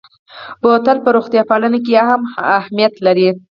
بوتل په روغتیا پالنه کې هم اهمیت لري.